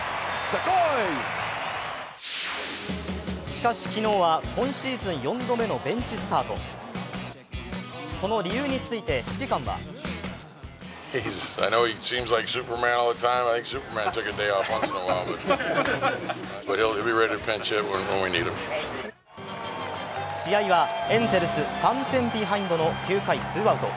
しかし、昨日は今シーズン４度目のベンチスタート、その理由について指揮官は試合はエンゼルス３点ビハインドの９回ツーアウト。